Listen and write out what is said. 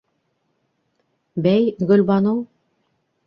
Бәй, Гөлбаныу...